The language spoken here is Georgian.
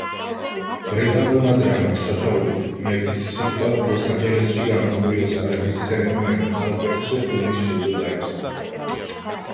ბრიტანულმა დრამამ სათაურით „მეფის სიტყვა“ ლოს-ანჯელესში გამართული ოსკარების ცერემონიაზე საუკეთესო ფილმის ჯილდო დაიმსახურა.